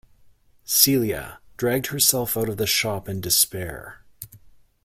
Celia dragged herself out of the shop in despair.